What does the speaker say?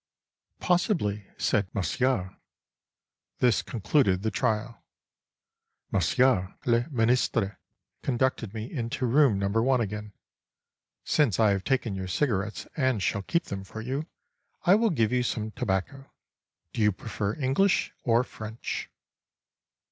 "Possibly," said Monsieur. This concluded the trial. Monsieur le Ministre conducted me into room number 1 again. "Since I have taken your cigarettes and shall keep them for you, I will give you some tobacco. Do you prefer English or French?"